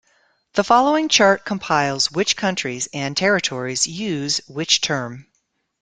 The following chart compiles which countries and territories use which term.